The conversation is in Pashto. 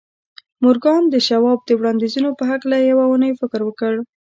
مورګان د شواب د وړاندیزونو په هکله یوه اونۍ فکر وکړ